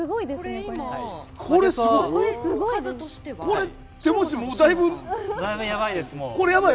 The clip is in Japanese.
これ、だいぶやばいです。